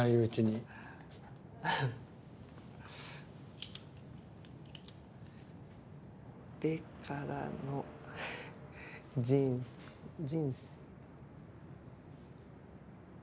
これからの人生。